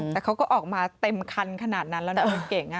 แต่เขาก็ออกมาเต็มคันขนาดนั้นแล้วนะรถเก่ง